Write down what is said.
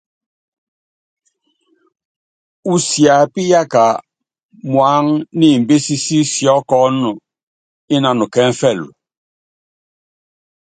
Usiapíyaka muáŋu niimbɛs sí siɔ́kɔnɔ ínanu kɛŋfɛlu.